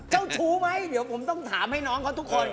เจ้าชู้ไหมเดี๋ยวผมต้องถามให้น้องเขาทุกคน